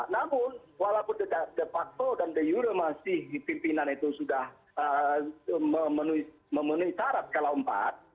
namun walaupun de facto dan the euro masih pimpinan itu sudah memenuhi syarat kalau empat